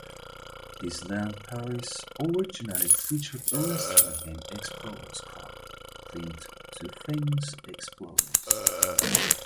Disneyland Paris originally featured a restaurant named Explorers Club, themed to famous explorers.